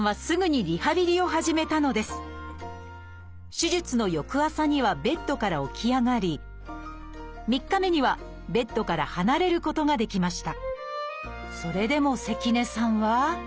手術の翌朝にはベッドから起き上がり３日目にはベッドから離れることができました。